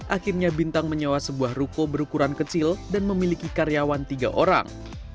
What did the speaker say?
akhirnya bintang menyewa sebuah ruko berukuran kecil dan memiliki karyawan tiga orang